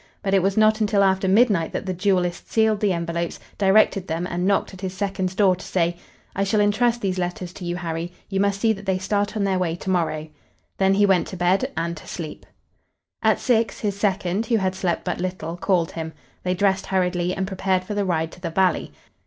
But it was not until after midnight that the duellist sealed the envelopes, directed them and knocked at his second's door to say: "I shall entrust these letters to you, Harry. You must see that they start on their way tomorrow." Then he went to bed and to sleep. At six his second, who had slept but little, called him. They dressed hurriedly and prepared for the ride to the valley.